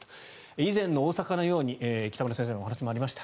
以前の大阪のように北村先生のお話もありました